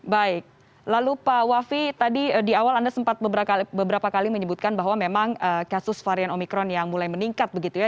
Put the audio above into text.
baik lalu pak wafi tadi di awal anda sempat beberapa kali menyebutkan bahwa memang kasus varian omikron yang mulai meningkat begitu ya